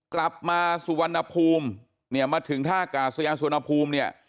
กลับมาสุวรรณภูมิเนี่ยมาถึงท่ากาศยานสุวรรณภูมิเนี่ย